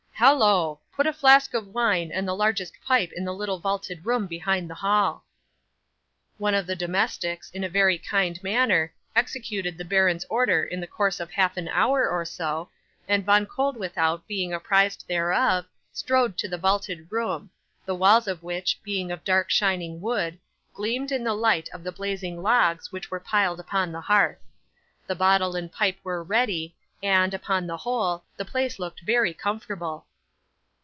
Hallo! Put a flask of wine and the largest pipe in the little vaulted room behind the hall." 'One of the domestics, in a very kind manner, executed the baron's order in the course of half an hour or so, and Von Koeldwethout being apprised thereof, strode to the vaulted room, the walls of which, being of dark shining wood, gleamed in the light of the blazing logs which were piled upon the hearth. The bottle and pipe were ready, and, upon the whole, the place looked very comfortable.